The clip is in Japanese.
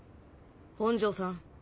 本上さん。